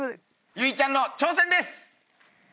有以ちゃんの挑戦です。